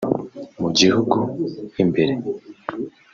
Mu gihugu imbere